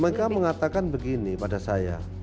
mereka mengatakan begini pada saya